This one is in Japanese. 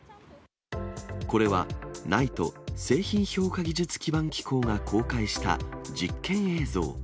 これはＮＩＴＥ・製品評価技術基盤機構が公開した実験映像。